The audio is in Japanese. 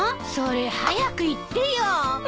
それ早く言ってよ。